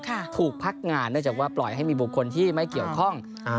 ถูกพักงานเนื่องจากว่าปล่อยให้มีบุคคลที่ไม่เกี่ยวข้องอ่า